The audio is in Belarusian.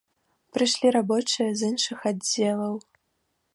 Прыйшлі рабочыя з іншых аддзелаў.